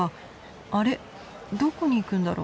あれどこに行くんだろう。